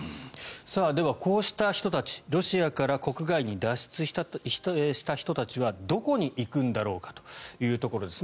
ではこうした人たちロシアから国外に脱出した人たちはどこに行くんだろうかというところです。